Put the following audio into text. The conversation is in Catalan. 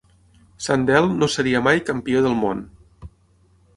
Sandel no seria mai campió del món.